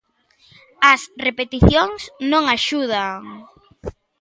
As repeticións non axudan.